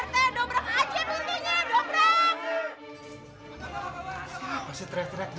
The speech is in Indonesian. handoko bang biengkhan ini